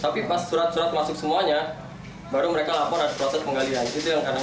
tapi pas surat surat masuk semuanya baru mereka lapor ada proses penggalian